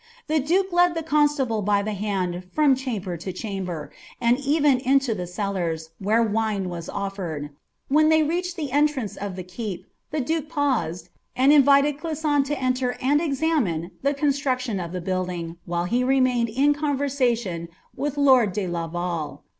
The duke led the cimstnble by the hand fiota chamber to chamber, arid even into the cellars, where witie was oflntd. When iliey reached the entrance of ihe keep, the duke paused, tni in vjied Clisson to enter and examine the construction of the timkliag, while he remained in conversation with lord de L^val.'